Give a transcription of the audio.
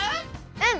うん！